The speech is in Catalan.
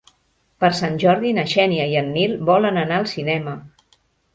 Per Sant Jordi na Xènia i en Nil volen anar al cinema.